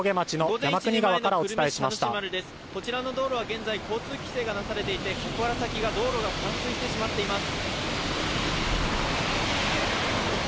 こちらの道路は現在交通規制がなされていて、そこから先の道路が冠水しています